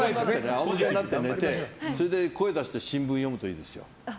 仰向けになって寝て声を出して新聞を読むといいですよ。